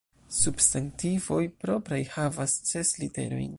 Substantivoj propraj havas ses literojn.